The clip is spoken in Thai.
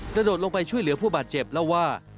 โดดลงไปช่วยเหลือผู้บาดเจ็บเล่าว่า